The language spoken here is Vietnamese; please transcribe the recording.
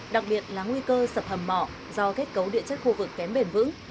đặc biệt là nguy cơ sập hầm mỏ do kết cấu địa chất khu vực kém bền vững